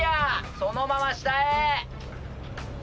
そのまま下へ。